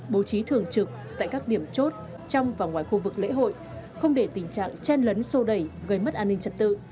bố trí thường trực tại các điểm chốt trong và ngoài khu vực lễ hội không để tình trạng chen lấn sô đẩy gây mất an ninh trật tự